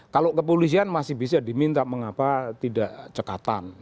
kalau kepolisian masih bisa diminta mengapa tidak cekatan